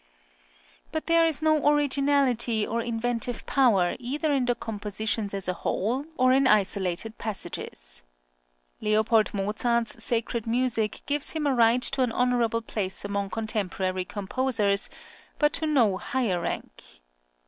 But there is no originality or inventive power either in the compositions as a whole, or in isolated passages. Leopold Mozart's sacred music gives him a right to an honourable place among contemporary composers, but to no higher rank.